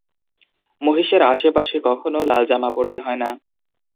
মহিষের আশেপাশে কখনও লাল জামা পরতে হয় না।